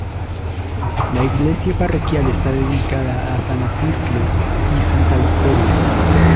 La iglesia parroquial está dedicada a san Acisclo y santa Victoria.